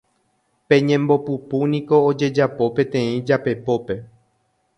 Pe ñembopupúniko ojejapo peteĩ japepópe